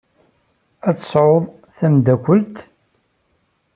I tesɛud tameddakelt?